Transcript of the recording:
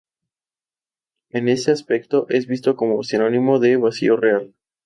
En ese aspecto es visto como sinónimo de vacío real.